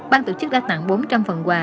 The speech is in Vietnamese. ban tổ chức đã tặng bốn trăm linh phần quà